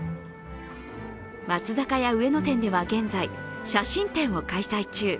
松坂屋上野店では現在、写真展を開催中。